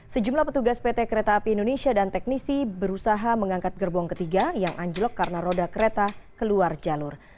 sejumlah petugas pt kereta api indonesia dan teknisi berusaha mengangkat gerbong ketiga yang anjlok karena roda kereta keluar jalur